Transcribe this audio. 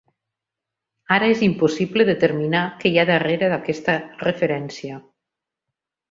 Ara és impossible determinar què hi ha darrere d'aquesta referència.